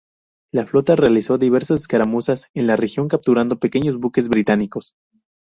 La flota realizó diversas escaramuzas en la región capturando pequeños buques británicos.